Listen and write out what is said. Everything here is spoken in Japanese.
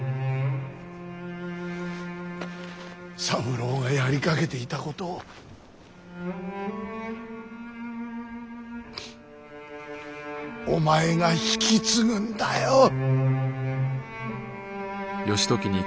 三郎がやりかけていたことをお前が引き継ぐんだよ。